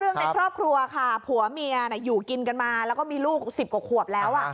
ในครอบครัวค่ะผัวเมียอยู่กินกันมาแล้วก็มีลูก๑๐กว่าขวบแล้ว